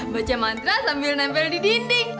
baca mantra sambil nempel di dinding